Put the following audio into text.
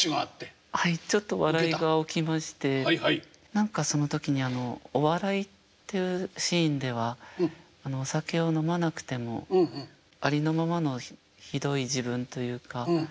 何かその時にお笑いっていうシーンではお酒を飲まなくてもありのままのひどい自分というか。